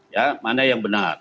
ya mana yang benar